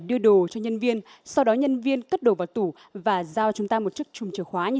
đưa đồ cho nhân viên sau đó nhân viên cắt đồ vào tủ và giao chúng ta một chiếc chùm chìa khóa